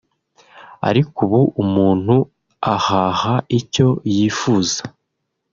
ariko ubu umuntu ahaha icyo yifuza